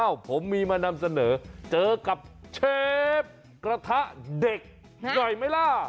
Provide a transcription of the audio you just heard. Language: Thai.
ผมมีมานำเสนอเจอกับเชฟกระทะเด็กหน่อยไหมล่ะ